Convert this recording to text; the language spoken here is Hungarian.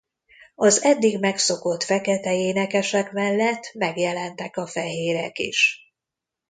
Az eddig megszokott fekete énekesek mellett megjelentek a fehérek is.